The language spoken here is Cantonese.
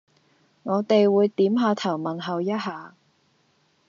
我哋會點吓頭問候一吓